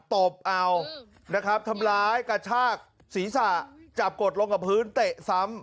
ตบเอานะครับทำร้ายกระชากศีรษะจับกดลงกับพื้นเตะซ้ำ